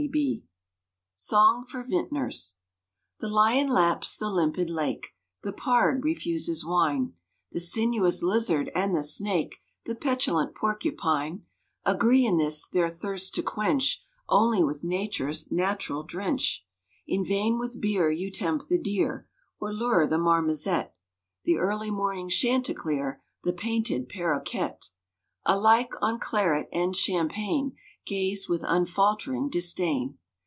= SONG FOR VINTNERS |THE Lion laps the limpid lake, `The Pard refuses wine, The sinuous Lizard and the Snake, `The petulant Porcupine, Agree in this, their thirst to quench Only with Nature's natural "drench."= In vain with beer you tempt the Deer, `Or lure the Marmozet; The early morning Chanticleer, `The painted Parroquet, Alike, on claret and champagne Gaze with unfaltering disdain.